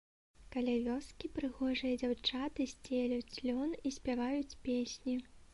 Каля вёскі прыгожыя дзяўчаты сцелюць лён і спяваюць песні.